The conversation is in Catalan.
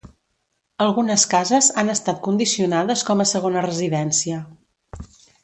Algunes cases han estat condicionades com a segona residència.